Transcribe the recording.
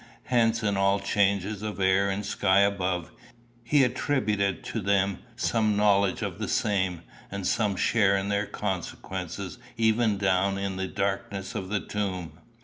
Hence in all changes of air and sky above, he attributed to them some knowledge of the same, and some share in their consequences even down in the darkness of the tomb.